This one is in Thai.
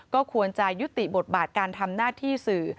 ก็ควรจะยุติบทบาทการทำหน้าที่สื่อ